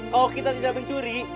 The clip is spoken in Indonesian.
kalau kita tidak mencuri